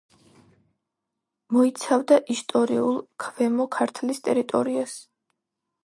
მოიცავდა ისტორიულ ქვემო ქართლის ტერიტორიას.